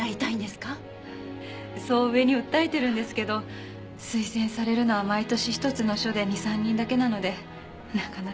そう上に訴えてるんですけど推薦されるのは毎年１つの署で２３人だけなのでなかなか。